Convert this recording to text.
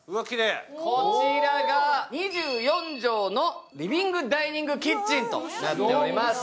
こちらが２４畳のリビングダイニングキッチンとなっております。